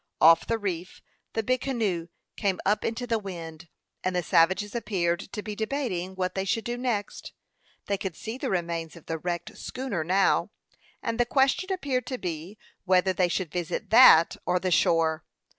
Off the reef the big canoe came up into the wind, and the savages appeared to be debating what they should do next. They could see the remains of the wrecked schooner now; and the question appeared to be, whether they should visit that or the shore.